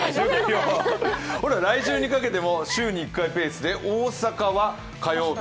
来週にかけても週に１回ペースで大阪は火曜日、